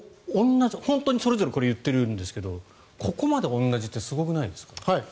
本当にそれぞれ言っているんですがここまで同じってすごくないですか？